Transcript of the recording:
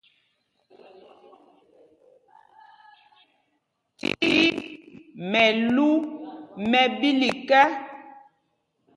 Ti mɛlu mɛ ɓílik ɛ.